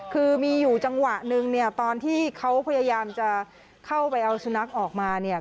คือมีอยู่จังหวะนึงเนี่ยตอนที่เขาพยายามจะเข้าไปเอาสุนัขออกมาเนี่ย